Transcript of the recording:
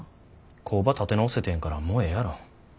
工場立て直せてんやからもうええやろ。